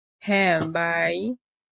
হ্যাঁ, বাই!